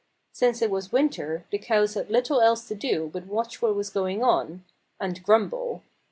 Since it was winter, the cows had little else to do but watch what was going on and grumble.